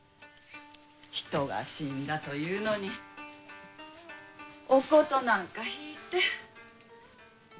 人が死んだというのにお琴なんか弾いて。